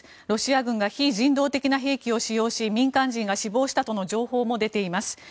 ロシア軍が非人道的な兵器を使い民間人が死亡したとの情報も出ています。